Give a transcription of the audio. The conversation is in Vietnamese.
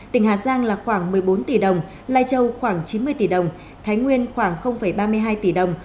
tỉnh hà giang là khoảng một mươi bốn tỷ đồng lai châu khoảng chín mươi tỷ đồng thái nguyên khoảng ba mươi hai tỷ đồng